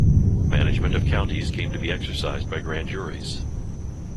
Management of counties came to be exercised by grand juries.